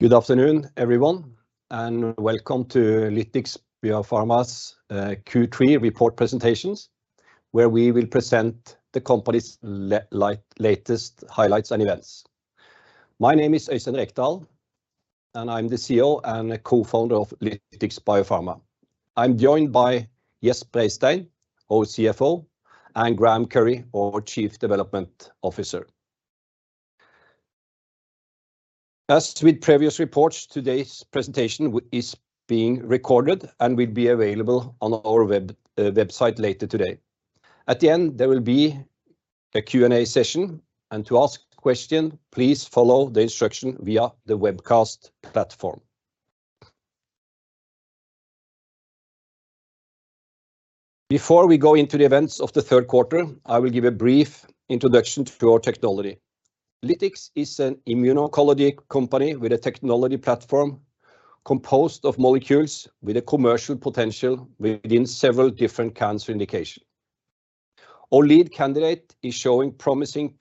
Good afternoon, everyone, and welcome to Lytix Biopharma's Q3 report presentations, where we will present the company's latest highlights and events. My name is Øystein Rekdal, and I'm the CEO and co-founder of Lytix Biopharma. I'm joined by Gjest Breistein, our CFO, and Graeme Currie, our Chief Development Officer. As with previous reports, today's presentation is being recorded and will be available on our website later today. At the end, there will be a Q&A session, and to ask a question, please follow the instructions via the webcast platform. Before we go into the events of the third quarter, I will give a brief introduction to our technology. Lytix is an immuno-oncology company with a technology platform composed of molecules with a commercial potential within several different cancer indication. Our lead candidate is showing promising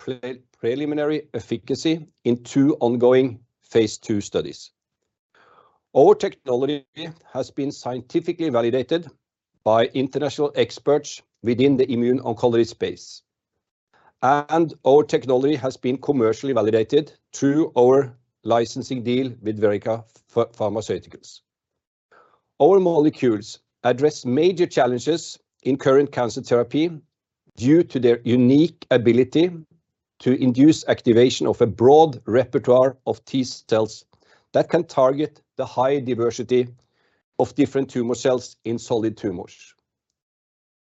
preliminary efficacy in two ongoing phase II studies. Our technology has been scientifically validated by international experts within the immuno-oncology space, and our technology has been commercially validated through our licensing deal with Verrica Pharmaceuticals. Our molecules address major challenges in current cancer therapy due to their unique ability to induce activation of a broad repertoire of T cells that can target the high diversity of different tumor cells in solid tumors,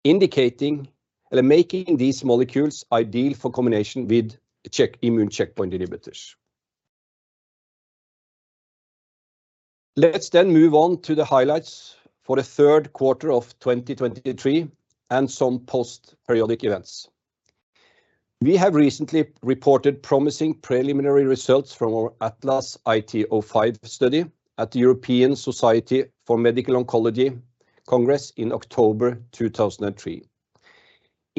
indicating and making these molecules ideal for combination with immune checkpoint inhibitors. Let's then move on to the highlights for the third quarter of 2023 and some post-period events. We have recently reported promising preliminary results from our ATLAS-IT-05 study at the European Society for Medical Oncology Congress in October 2023.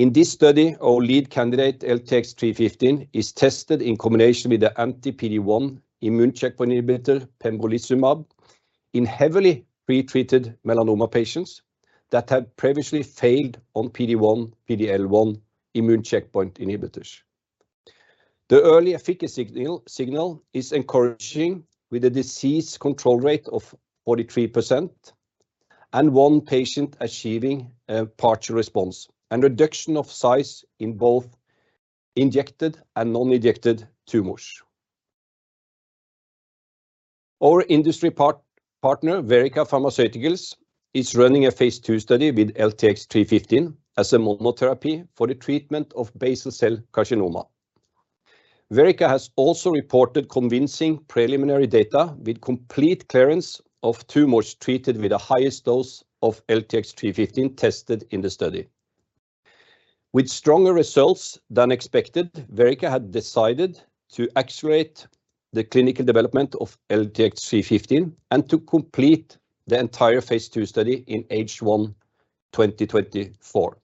In this study, our lead candidate, LTX-315, is tested in combination with the anti-PD-1 immune checkpoint inhibitor pembrolizumab in heavily pre-treated melanoma patients that had previously failed on PD-1, PD-L1 immune checkpoint inhibitors. The early efficacy signal is encouraging, with a disease control rate of 43% and one patient achieving a partial response and reduction of size in both injected and non-injected tumors. Our industry partner, Verrica Pharmaceuticals, is running a phase II study with LTX-315 as a monotherapy for the treatment of basal cell carcinoma. Verrica has also reported convincing preliminary data with complete clearance of tumors treated with the highest dose of LTX-315 tested in the study. With stronger results than expected, Verrica had decided to accelerate the clinical development of LTX-315 and to complete the entire phase II study in H1 2024.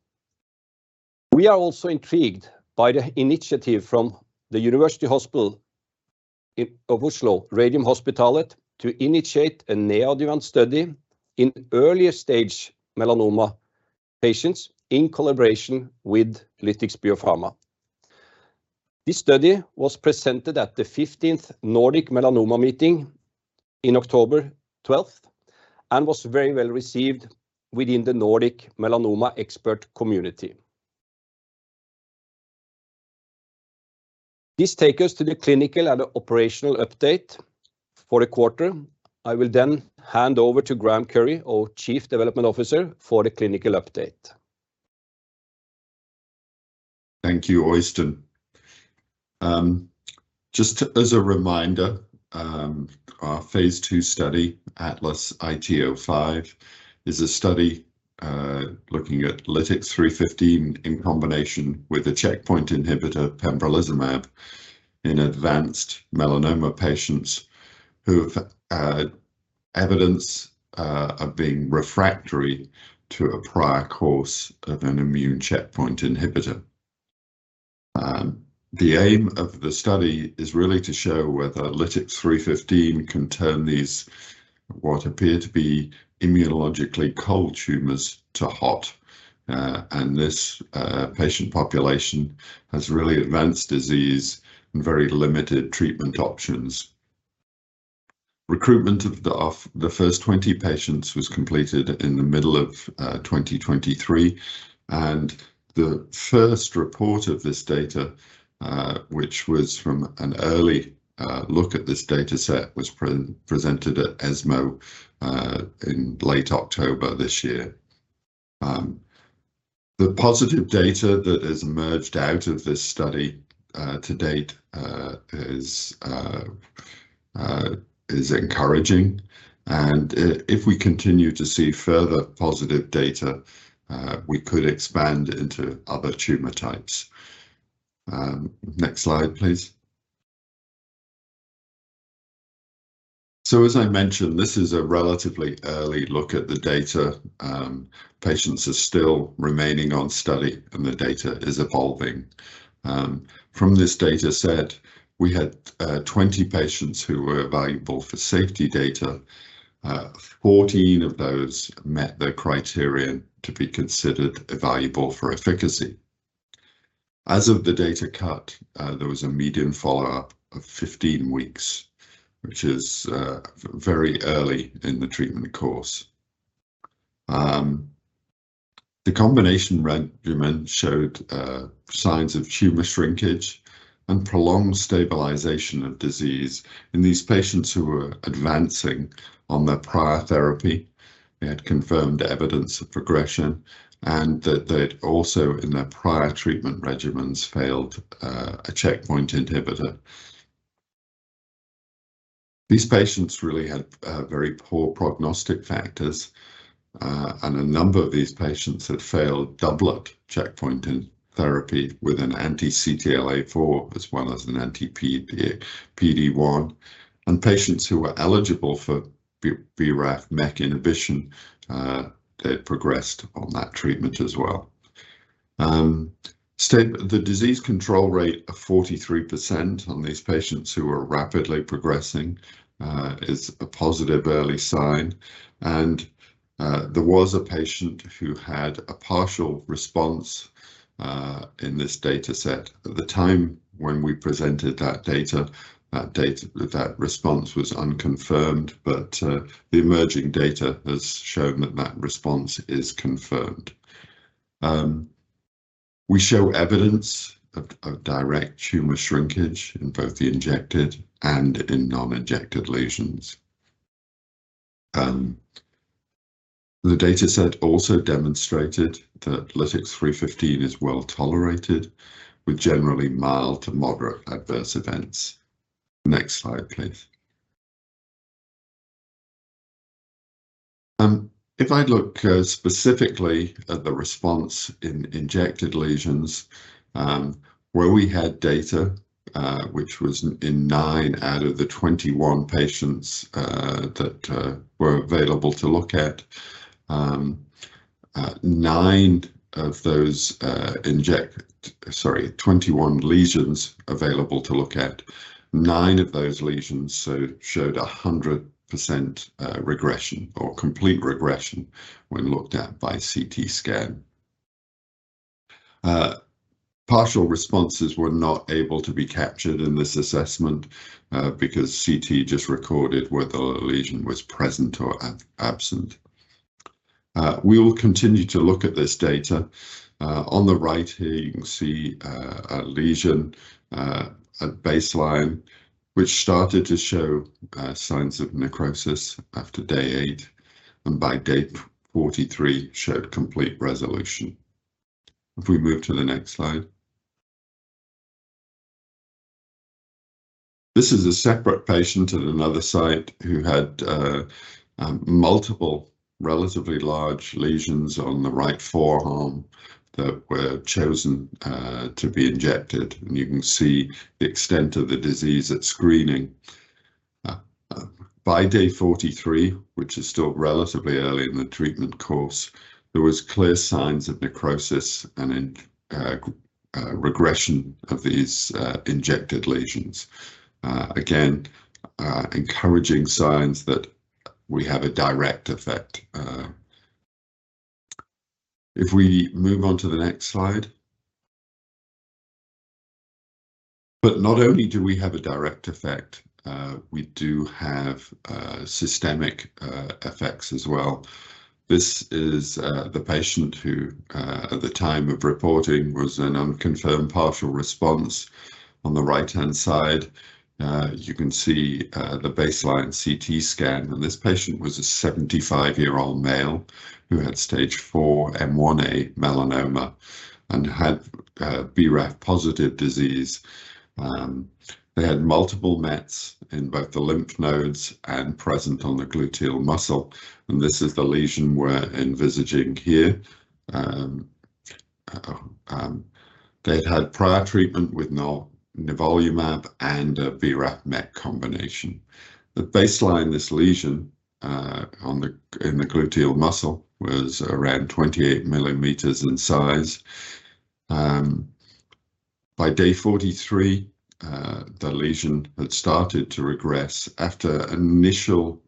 We are also intrigued by the initiative from the University Hospital of Oslo, Radiumhospitalet, to initiate a neoadjuvant study in earlier stage melanoma patients in collaboration with Lytix Biopharma. This study was presented at the 15th Nordic Melanoma Meeting in October 12 and was very well received within the Nordic melanoma expert community. This takes us to the clinical and operational update for the quarter. I will then hand over to Graeme Currie, our Chief Development Officer, for the clinical update. Thank you, Øystein. Just as a reminder, our phase II study, ATLAS-IT-05, is a study looking at LTX-315 in combination with the checkpoint inhibitor pembrolizumab in advanced melanoma patients who have evidence of being refractory to a prior course of an immune checkpoint inhibitor. The aim of the study is really to show whether LTX-315 can turn these, what appear to be immunologically cold tumors, to hot. And this patient population has really advanced disease and very limited treatment options. Recruitment of the first 20 patients was completed in the middle of 2023, and the first report of this data, which was from an early look at this data set, was pre-presented at ESMO in late October this year. The positive data that has emerged out of this study, to date, is encouraging. If we continue to see further positive data, we could expand into other tumor types. Next slide, please. As I mentioned, this is a relatively early look at the data. Patients are still remaining on study, and the data is evolving. From this dataset, we had 20 patients who were evaluable for safety data. Fourteen of those met the criterion to be considered evaluable for efficacy. As of the data cut, there was a median follow-up of 15 weeks, which is very early in the treatment course. The combination regimen showed signs of tumor shrinkage and prolonged stabilization of disease in these patients who were advancing on their prior therapy. They had confirmed evidence of progression, and that they'd also, in their prior treatment regimens, failed a checkpoint inhibitor. These patients really had very poor prognostic factors. A number of these patients had failed double checkpoint inhibitor therapy with an anti-CTLA-4, as well as an anti-PD-1. Patients who were eligible for BRAF/MEK inhibition, they had progressed on that treatment as well. The disease control rate of 43% on these patients who were rapidly progressing is a positive early sign, and there was a patient who had a partial response in this dataset. At the time when we presented that data, that response was unconfirmed, but the emerging data has shown that that response is confirmed. We show evidence of direct tumor shrinkage in both the injected and non-injected lesions. The dataset also demonstrated that LTX-315 is well-tolerated, with generally mild to moderate adverse events. Next slide, please. If I look specifically at the response in injected lesions, where we had data, which was in 9 out of the 21 patients that were available to look at, nine of those, Sorry, 21 lesions available to look at, nine of those lesions so showed 100% regression or complete regression when looked at by CT scan. Partial responses were not able to be captured in this assessment, because CT just recorded whether a lesion was present or absent. We will continue to look at this data. On the right here, you can see a lesion at baseline, which started to show signs of necrosis after day 8, and by day 43, showed complete resolution. If we move to the next slide. This is a separate patient at another site who had multiple, relatively large lesions on the right forearm that were chosen to be injected, and you can see the extent of the disease at screening. By day 43, which is still relatively early in the treatment course, there was clear signs of necrosis and regression of these injected lesions. Again, encouraging signs that we have a direct effect. If we move on to the next slide. But not only do we have a direct effect, we do have systemic effects as well. This is the patient who at the time of reporting was an unconfirmed partial response. On the right-hand side, you can see the baseline CT scan, and this patient was a 75-year-old male, who had Stage IV M1a melanoma and had BRAF-positive disease. They had multiple mets in both the lymph nodes and present on the gluteal muscle, and this is the lesion we're envisaging here. They'd had prior treatment with nivolumab and a BRAF/MEK combination. The baseline, this lesion on the in the gluteal muscle, was around 28 millimeters in size. By day 43, the lesion had started to regress after initial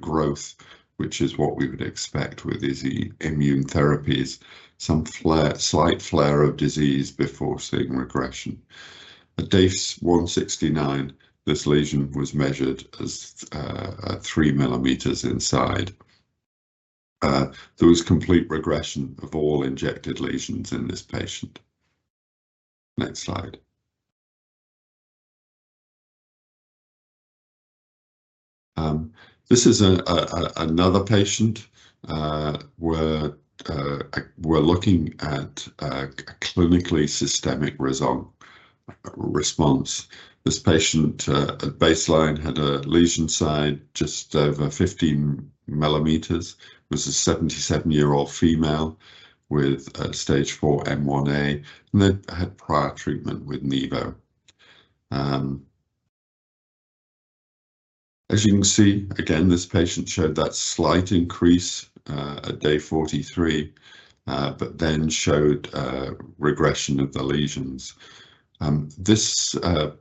growth, which is what we would expect with these immune therapies, some slight flare of disease before seeing regression. At day 169, this lesion was measured as 3 millimeters in size. There was complete regression of all injected lesions in this patient. Next slide. This is another patient where we're looking at a clinically systemic result, response. This patient at baseline had a lesion size just over 15 millimeters, was a 77-year-old female with stage 4 M1A, and they'd had prior treatment with nivo. As you can see, again, this patient showed that slight increase at day 43, but then showed regression of the lesions. This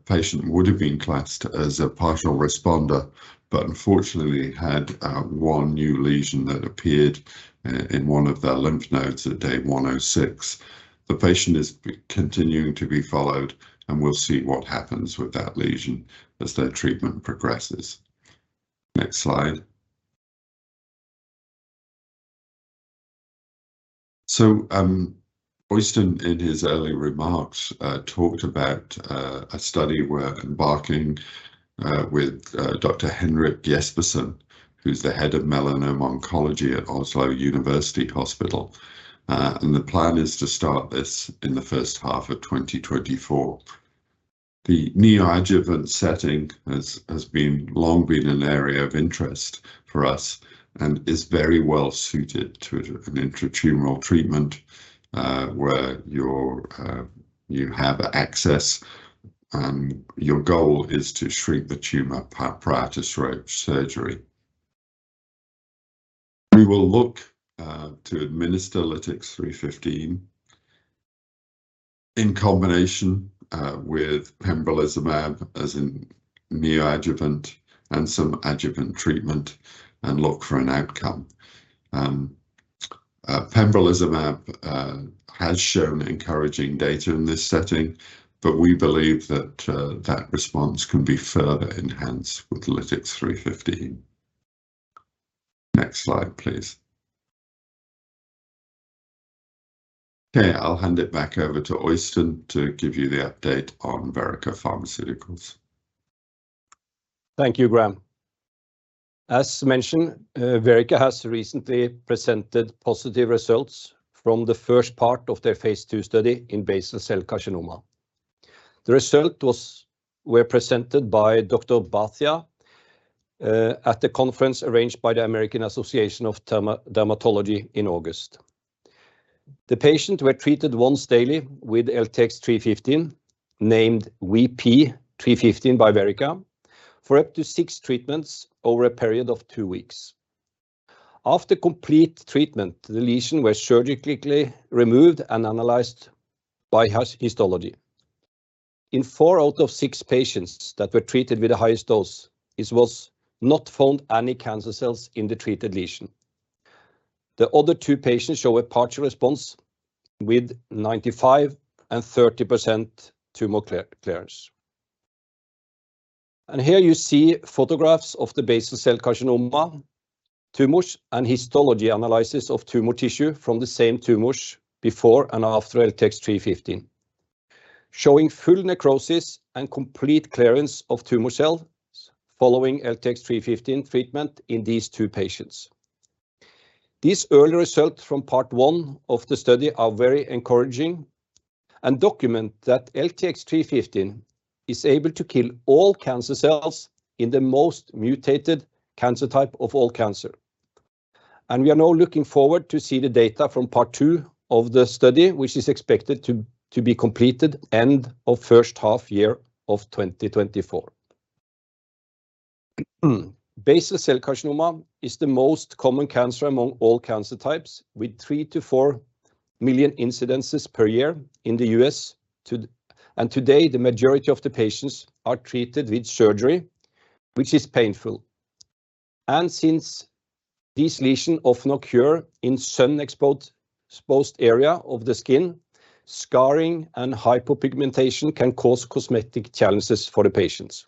patient would have been classed as a partial responder, but unfortunately had 1 new lesion that appeared in one of their lymph nodes at day 106. The patient is continuing to be followed, and we'll see what happens with that lesion as their treatment progresses. Next slide. So, Øystein, in his early remarks, talked about a study we're embarking with Dr. Henrik Jespersen, who's the head of melanoma oncology at Oslo University Hospital. The plan is to start this in the first half of 2024. The neoadjuvant setting has long been an area of interest for us and is very well-suited to an intratumoral treatment, where you have access, and your goal is to shrink the tumor prior to surgery. We will look to administer LTX-315 in combination with pembrolizumab as in neoadjuvant and some adjuvant treatment, and look for an outcome. Pembrolizumab has shown encouraging data in this setting, but we believe that that response can be further enhanced with LTX-315. Next slide, please. Okay, I'll hand it back over to Øystein to give you the update on Verrica Pharmaceuticals. Thank you, Graeme. As mentioned, Verrica has recently presented positive results from the first part of their phase II study in basal cell carcinoma. The results were presented by Dr. Bhatia at the conference arranged by the American Academy of Dermatology in August. The patients were treated once daily with LTX-315, named VP-315 by Verrica, for up to six treatments over a period of two weeks. After complete treatment, the lesion was surgically removed and analyzed by histology. In four out of six patients that were treated with the highest dose, it was not found any cancer cells in the treated lesion. The other two patients show a partial response with 95% and 30% tumor clearance. Here you see photographs of the basal cell carcinoma tumors and histology analysis of tumor tissue from the same tumors before and after LTX-315, showing full necrosis and complete clearance of tumor cells following LTX-315 treatment in these two patients. These early results from part one of the study are very encouraging and document that LTX-315 is able to kill all cancer cells in the most mutated cancer type of all cancer. We are now looking forward to see the data from part two of the study, which is expected to be completed end of first half year of 2024. Basal cell carcinoma is the most common cancer among all cancer types, with 3 million-4 million incidences per year in the U.S. to... Today, the majority of the patients are treated with surgery, which is painful. Since this lesion often occurs in sun-exposed area of the skin, scarring and hypopigmentation can cause cosmetic challenges for the patients.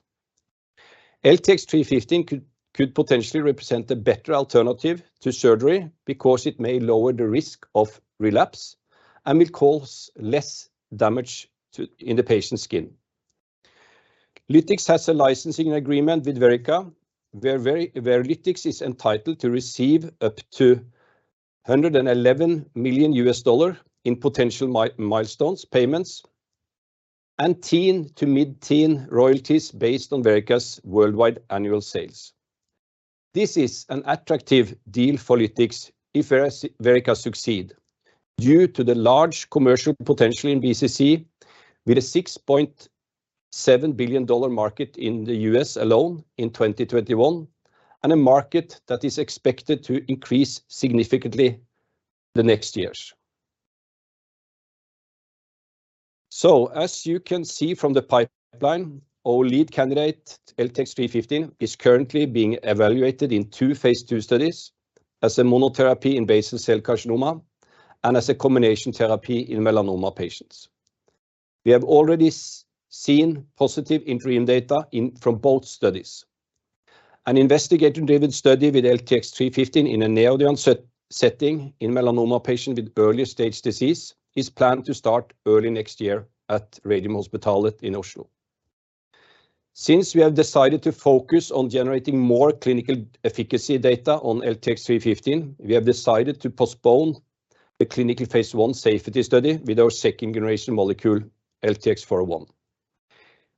LTX-315 could potentially represent a better alternative to surgery because it may lower the risk of relapse and will cause less damage to the patient's skin. Lytix has a licensing agreement with Verrica, where Lytix is entitled to receive up to $111 million in potential milestone payments and teen to mid-teen royalties based on Verrica's worldwide annual sales. This is an attractive deal for Lytix if Verrica succeeds due to the large commercial potential in BCC, with a $6.7 billion market in the US alone in 2021, and a market that is expected to increase significantly in the next years. So as you can see from the pipeline, our lead candidate, LTX-315, is currently being evaluated in two phase II studies as a monotherapy in basal cell carcinoma and as a combination therapy in melanoma patients. We have already seen positive interim data in, from both studies. An investigator-driven study with LTX-315 in a neo-adjuvant setting in melanoma patients with early stage disease is planned to start early next year at Radiumhospitalet in Oslo. Since we have decided to focus on generating more clinical efficacy data on LTX-315, we have decided to postpone the clinical phase I safety study with our second-generation molecule, LTX-401.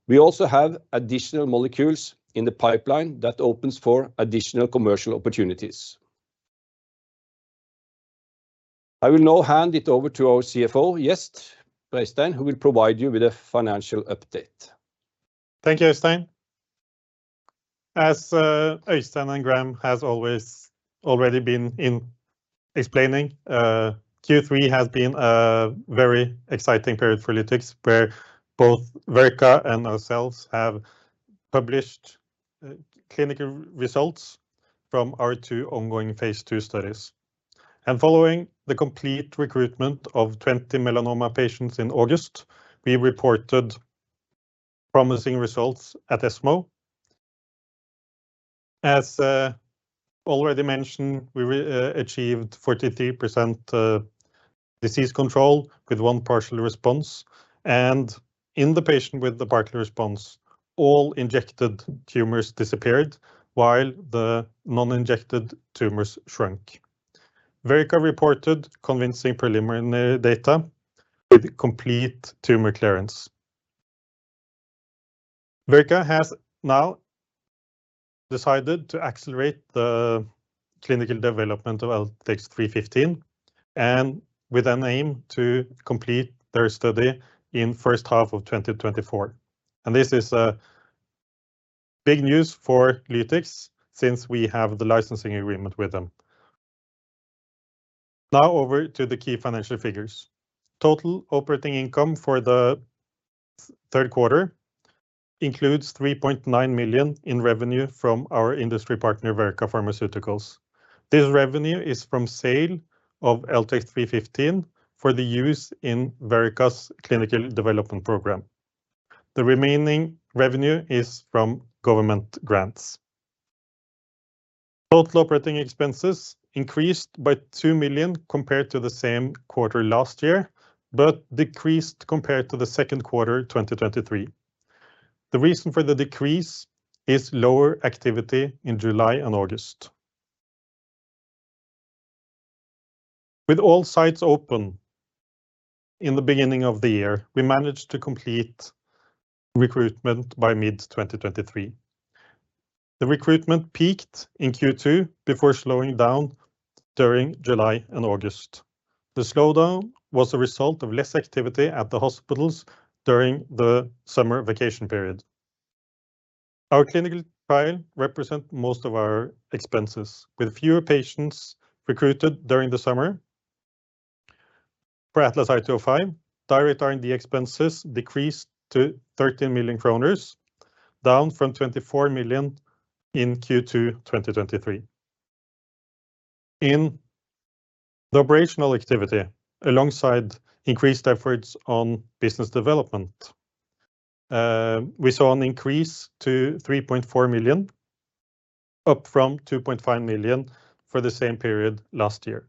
We also have additional molecules in the pipeline that opens for additional commercial opportunities.... I will now hand it over to our CFO, Gjest Breistein, who will provide you with a financial update. Thank you, Øystein. As Øystein and Graeme have already been explaining, Q3 has been a very exciting period for Lytix, where both Verrica and ourselves have published clinical results from our two ongoing phase II studies. Following the complete recruitment of 20 melanoma patients in August, we reported promising results at ESMO. As already mentioned, we achieved 43% disease control with 1 partial response, and in the patient with the partial response, all injected tumors disappeared, while the non-injected tumors shrunk. Verrica reported convincing preliminary data with complete tumor clearance. Verrica has now decided to accelerate the clinical development of LTX-315 and with an aim to complete their study in first half of 2024. This is a big news for Lytix since we have the licensing agreement with them. Now over to the key financial figures. Total operating income for the third quarter includes 3.9 million in revenue from our industry partner, Verrica Pharmaceuticals. This revenue is from sale of LTX-315 for the use in Verrica's clinical development program. The remaining revenue is from government grants. Total operating expenses increased by 2 million compared to the same quarter last year, but decreased compared to the second quarter, 2023. The reason for the decrease is lower activity in July and August. With all sites open in the beginning of the year, we managed to complete recruitment by mid-2023. The recruitment peaked in Q2 before slowing down during July and August. The slowdown was a result of less activity at the hospitals during the summer vacation period. Our clinical trial represent most of our expenses, with fewer patients recruited during the summer. For ATLAS-IT-05, direct R&D expenses decreased to 13 million kroner, down from 24 million in Q2 2023. In the operational activity, alongside increased efforts on business development, we saw an increase to 3.4 million, up from 2.5 million for the same period last year.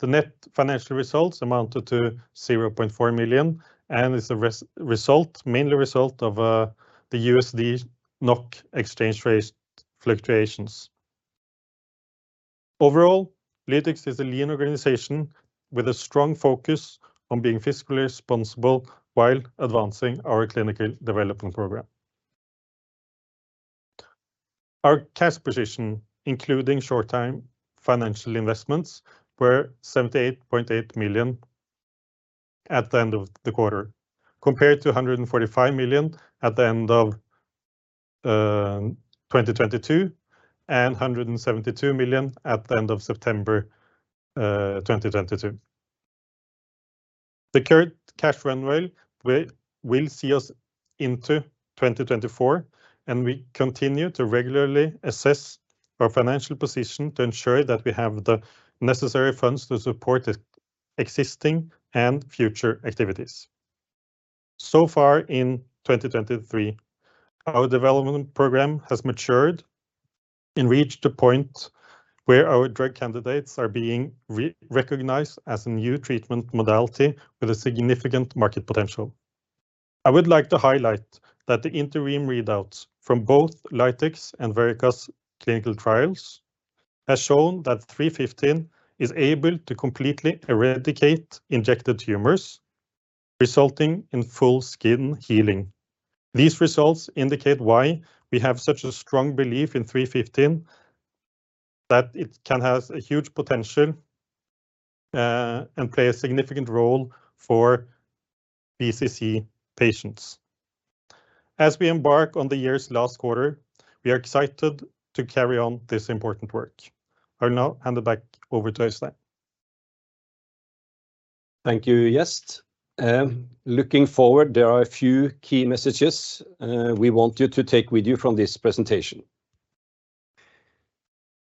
The net financial results amounted to 0.4 million, and is a result, mainly result of, the USD-NOK exchange rate fluctuations. Overall, Lytix is a lean organization with a strong focus on being fiscally responsible while advancing our clinical development program. Our cash position, including short-term financial investments, were 78.8 million at the end of the quarter, compared to 145 million at the end of 2022, and 172 million at the end of September 2022. The current cash runway will see us into 2024, and we continue to regularly assess our financial position to ensure that we have the necessary funds to support the existing and future activities. So far in 2023, our development program has matured and reached a point where our drug candidates are being re-recognized as a new treatment modality with a significant market potential. I would like to highlight that the interim readouts from both Lytix and Verrica's clinical trials has shown that 315 is able to completely eradicate injected tumors, resulting in full skin healing. These results indicate why we have such a strong belief in 315, that it can have a huge potential, and play a significant role for BCC patients. As we embark on the year's last quarter, we are excited to carry on this important work. I will now hand it back over to Øystein. Thank you, Gjest. Looking forward, there are a few key messages we want you to take with you from this presentation.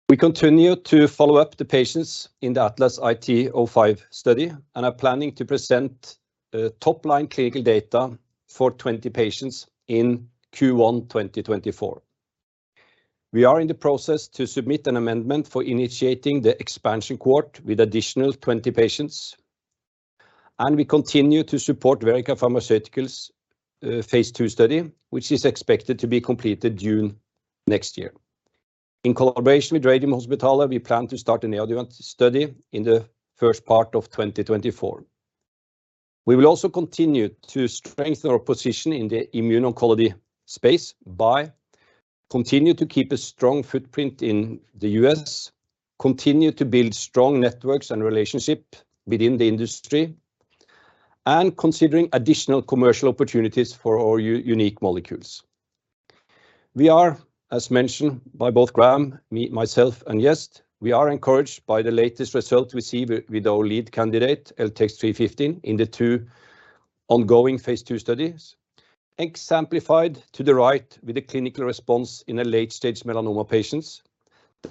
We continue to follow up the patients in the ATLAS-IT-05 study and are planning to present top-line clinical data for 20 patients in Q1 2024. We are in the process to submit an amendment for initiating the expansion cohort with additional 20 patients, and we continue to support Verrica Pharmaceuticals' phase II study, which is expected to be completed June next year. In collaboration with Radiumhospitalet, we plan to start a neoadjuvant study in the first part of 2024. We will also continue to strengthen our position in the immuno-oncology space by continue to keep a strong footprint in the U.S., continue to build strong networks and relationship within the industry, and considering additional commercial opportunities for our unique molecules. We are, as mentioned by both Graeme, me, myself, and Gjest, we are encouraged by the latest results we see with our lead candidate, LTX-315, in the two ongoing phase II studies. Exemplified to the right with a clinical response in a late-stage melanoma patient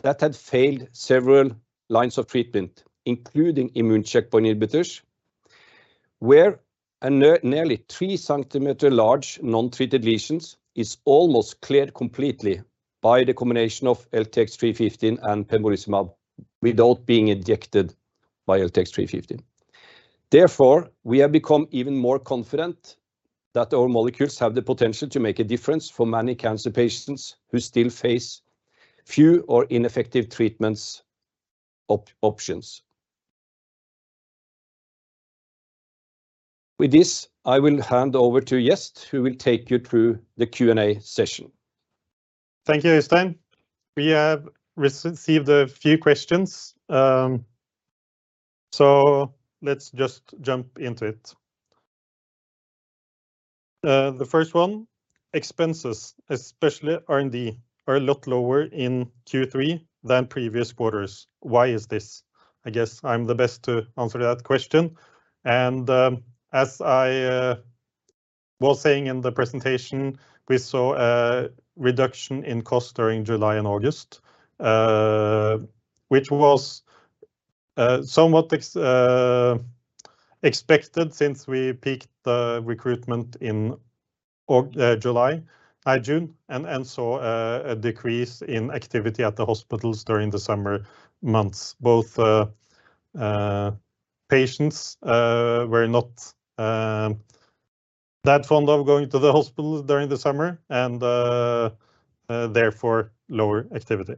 that had failed several lines of treatment, including immune checkpoint inhibitors, where a nearly 3 cm large non-treated lesion is almost cleared completely by the combination of LTX-315 and pembrolizumab without being injected by LTX-315. Therefore, we have become even more confident that our molecules have the potential to make a difference for many cancer patients who still face few or ineffective treatment options. With this, I will hand over to Gjest, who will take you through the Q&A session. Thank you, Øystein. We have received a few questions, so let's just jump into it. The first one, expenses, especially R&D, are a lot lower in Q3 than previous quarters. Why is this? I guess I'm the best to answer that question. As I was saying in the presentation, we saw a reduction in cost during July and August, which was somewhat expected since we peaked the recruitment in August, July, June, and saw a decrease in activity at the hospitals during the summer months. Both patients were not that fond of going to the hospital during the summer, and therefore, lower activity.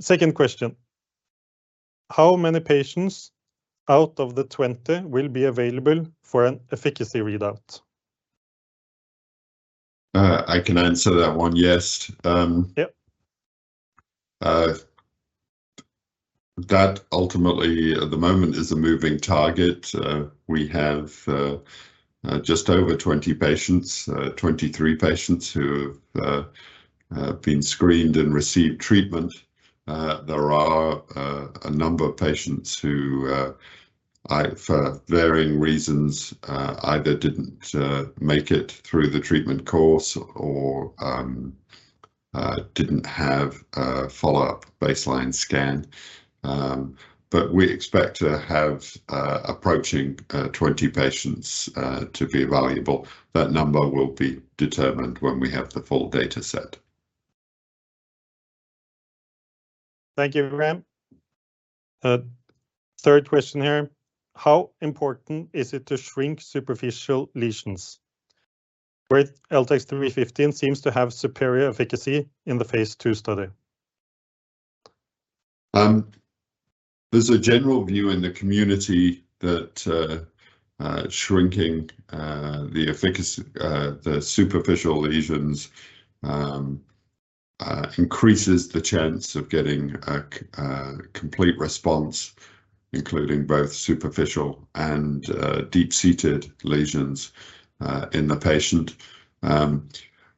Second question: How many patients out of the 20 will be available for an efficacy readout? I can answer that one, Gjest. Yep. That ultimately, at the moment, is a moving target. We have just over 20 patients, 23 patients who have been screened and received treatment. There are a number of patients who, for varying reasons, either didn't make it through the treatment course or didn't have a follow-up baseline scan. But we expect to have approaching 20 patients to be evaluable. That number will be determined when we have the full data set. Thank you, Graeme. Third question here: How important is it to shrink superficial lesions? Where LTX-315 seems to have superior efficacy in the phase II study. There's a general view in the community that shrinking the superficial lesions increases the chance of getting a complete response, including both superficial and deep-seated lesions in the patient.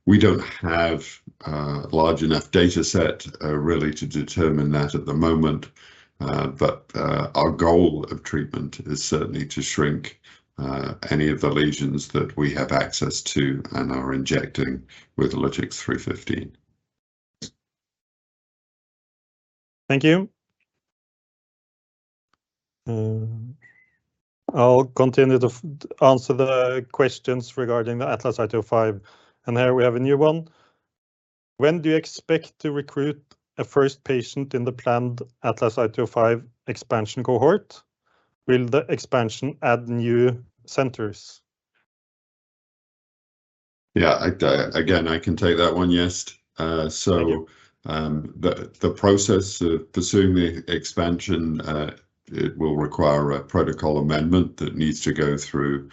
We don't have a large enough data set really to determine that at the moment, but our goal of treatment is certainly to shrink any of the lesions that we have access to and are injecting with LTX-315. Thank you. I'll continue to answer the questions regarding the ATLAS-IT-05, and here we have a new one. When do you expect to recruit a first patient in the planned ATLAS-IT-05 expansion cohort? Will the expansion add new centers? Yeah, again, I can take that one, Gjest. Thank you. So, the process of pursuing the expansion, it will require a protocol amendment that needs to go through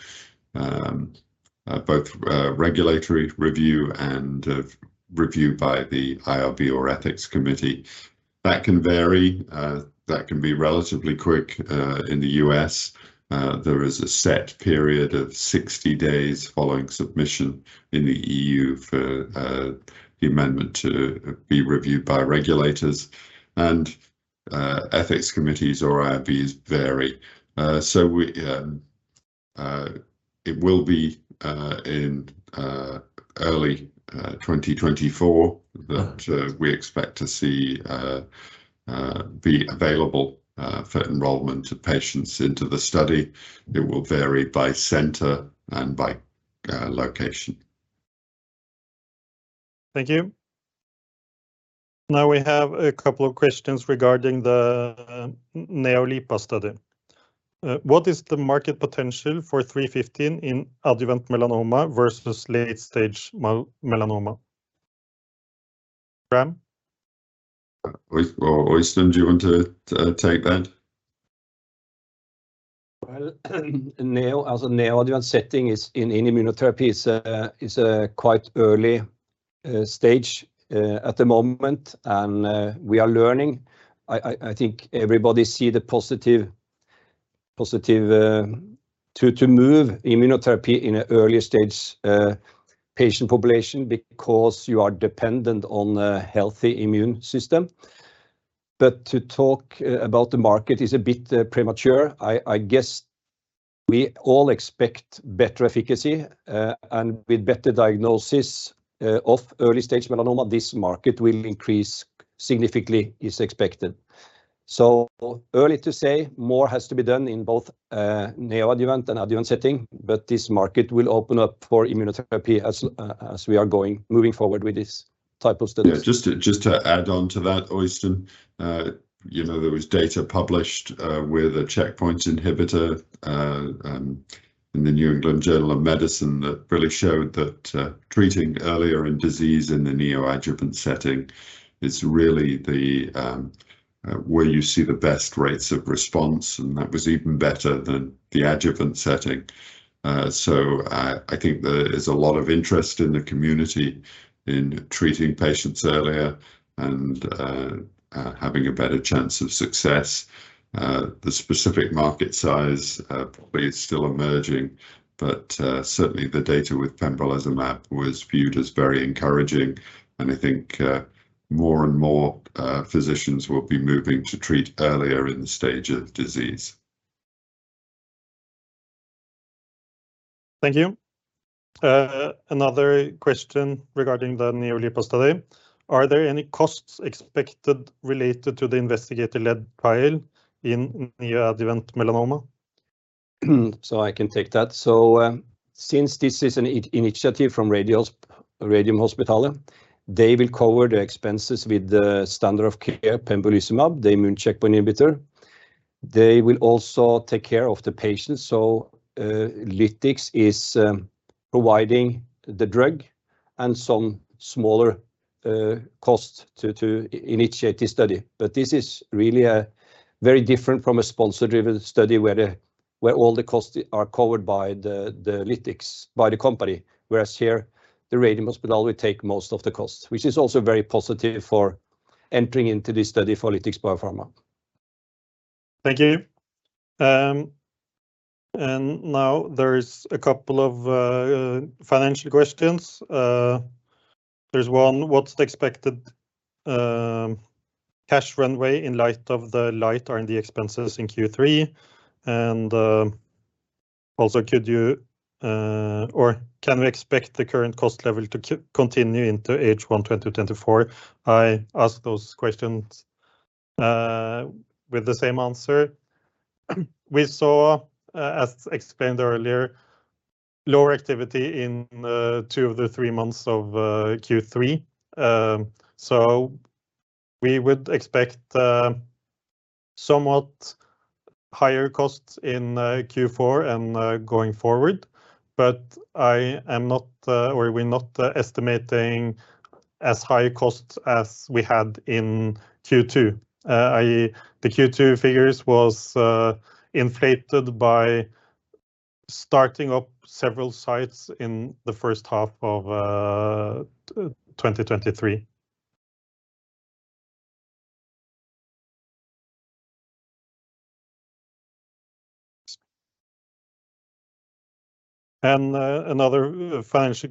both regulatory review and a review by the IRB or ethics committee. That can vary, that can be relatively quick in the U.S. There is a set period of 60 days following submission in the E.U. for the amendment to be reviewed by regulators, and ethics committees or IRBs vary. So we, it will be in early 2024- Right... that we expect to see be available for enrollment of patients into the study. It will vary by center and by location. Thank you. Now, we have a couple of questions regarding the NeoLIPA study. What is the market potential for LTX-315 in adjuvant melanoma versus late-stage melanoma? Graeme? Well, Øystein, do you want to take that? Well, NeoLIPA, as a neoadjuvant setting is in immunotherapy is a quite early stage at the moment, and we are learning. I think everybody see the positive to move immunotherapy in an earlier stage patient population because you are dependent on a healthy immune system. But to talk about the market is a bit premature. I guess we all expect better efficacy, and with better diagnosis of early-stage melanoma, this market will increase significantly, is expected. So early to say, more has to be done in both neoadjuvant and adjuvant setting, but this market will open up for immunotherapy as we are moving forward with this type of study. Yeah, just to, just to add on to that, Øystein, you know, there was data published with a checkpoint inhibitor in the New England Journal of Medicine that really showed that treating earlier in disease in the neoadjuvant setting is really the where you see the best rates of response, and that was even better than the adjuvant setting. So I think there is a lot of interest in the community in treating patients earlier and having a better chance of success. The specific market size probably is still emerging, but certainly the data with pembrolizumab was viewed as very encouraging, and I think more and more physicians will be moving to treat earlier in the stage of disease. Thank you. Another question regarding the NeoLIPA study: Are there any costs expected related to the investigator-led trial in neoadjuvant melanoma? So I can take that. So, since this is an initiative from Radiumhospitalet, they will cover the expenses with the standard of care, pembrolizumab, the immune checkpoint inhibitor. They will also take care of the patients. So, Lytix is providing the drug and some smaller costs to initiate this study. But this is really very different from a sponsor-driven study where the all the costs are covered by the the Lytix, by the company. Whereas here, the Radiumhospitalet will take most of the costs, which is also very positive for entering into this study for Lytix Biopharma. Thank you. And now there is a couple of financial questions. There's one: What's the expected cash runway in light of the light R&D expenses in Q3? And also, could you or can we expect the current cost level to continue into H1 2024? I ask those questions with the same answer. We saw, as explained earlier, lower activity in two of the three months of Q3. So we would expect somewhat higher costs in Q4 and going forward, but I am not or we're not estimating as high costs as we had in Q2. The Q2 figures was inflated by starting up several sites in the first half of 2023. And another financial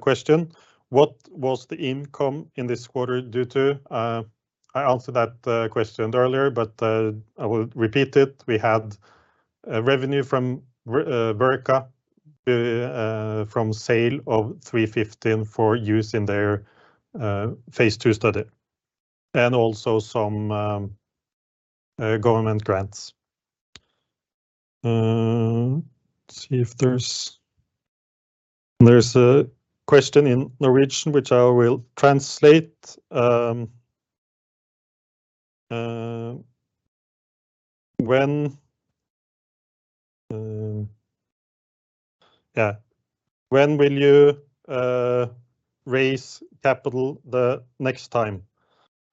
question: What was the income in this quarter due to? I answered that question earlier, but I will repeat it. We had a revenue from R- Verrica, from sale of 315 for use in their phase II study, and also some government grants. See if there's... There's a question in Norwegian, which I will translate. When will you raise capital the next time?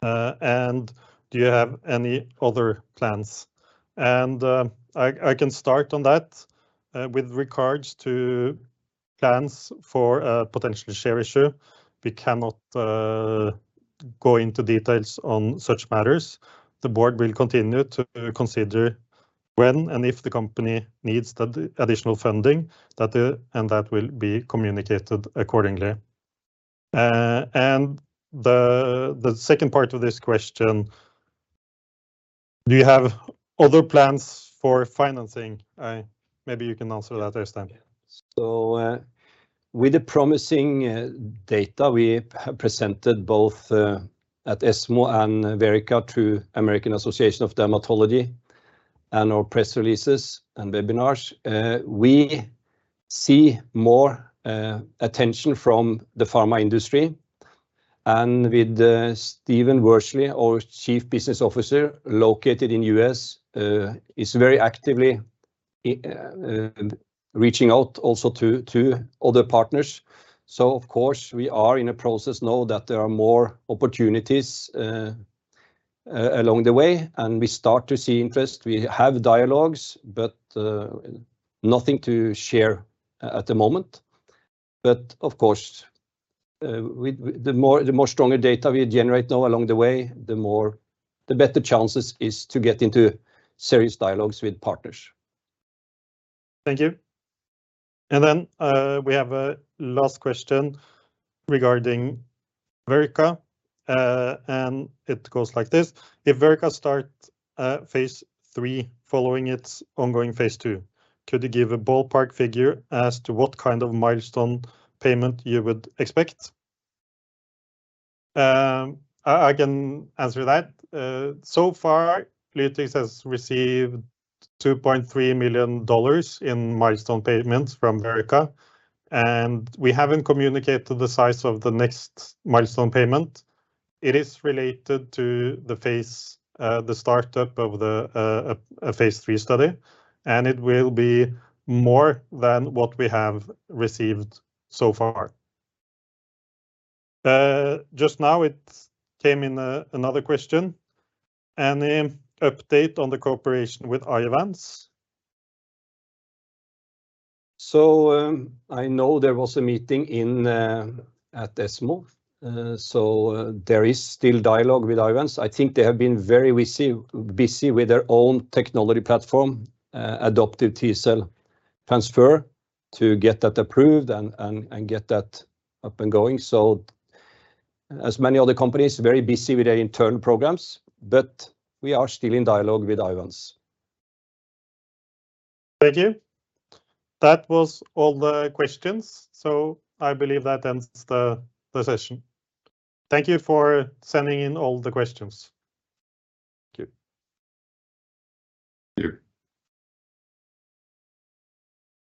And do you have any other plans? And I can start on that with regards to plans for a potential share issue. We cannot go into details on such matters. The board will continue to consider when and if the company needs the additional funding, and that will be communicated accordingly. And the second part of this question: Do you have other plans for financing? Maybe you can answer that, Øystein. So, with the promising data we presented, both at ESMO and Verrica, through American Association of Dermatology, and our press releases and webinars, we see more attention from the pharma industry. And with Steven Worsley, our Chief Business Officer, located in U.S., is very actively reaching out also to other partners. So of course, we are in a process now that there are more opportunities along the way, and we start to see interest. We have dialogues, but nothing to share at the moment. But of course, with the more stronger data we generate now along the way, the more the better chances is to get into serious dialogues with partners. Thank you. And then, we have a last question regarding Verrica, and it goes like this: If Verrica start, phase III, following its ongoing phase II, could you give a ballpark figure as to what kind of milestone payment you would expect? I can answer that. So far, Lytix has received $2.3 million in milestone payments from Verrica, and we haven't communicated the size of the next milestone payment. It is related to the phase, the startup of the, a phase III study, and it will be more than what we have received so far. Just now, it came in, another question. Any update on the cooperation with Iovance? I know there was a meeting in at ESMO, so there is still dialogue with Iovance. I think they have been very busy with their own technology platform, adoptive T-cell transfer, to get that approved and get that up and going. So as many other companies, very busy with their internal programs, but we are still in dialogue with Iovance. Thank you. That was all the questions, so I believe that ends the session. Thank you for sending in all the questions. Thank you. Thank you.